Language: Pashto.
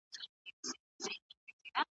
د معلوماتو دقیق لټون د بریالیتوب لومړی ګام دی.